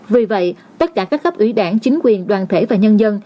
vì vậy tất cả các cấp ủy đảng chính quyền đoàn thể và nhân dân